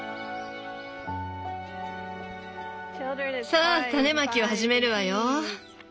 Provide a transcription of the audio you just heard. さあ種まきを始めるわよ！